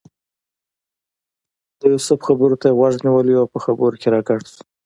د یوسف خبرو ته یې غوږ نیولی و او په خبرو کې راګډ شو.